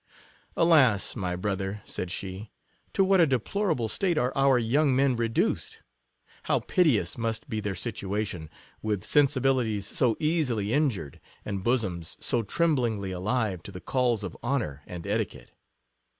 Alas ! my brother, said she, to what a de plorable state are our young men reduced ! how piteous must be their situation — with sensibilities so .easily injured, and bosoms so tremblingly alive to the calls of honour and etiquette